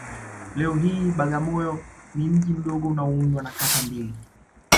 Leo hii Bagamoyo ni mji mdogo unaoundwa na kata mbili